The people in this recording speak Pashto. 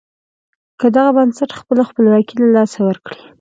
که دغه بنسټ خپله خپلواکي له لاسه ورکړي.